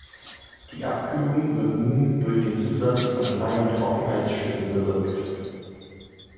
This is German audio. Die Abkühlung wird nun durch den Zusatz von kleinen Trockeneis-Stücken bewirkt.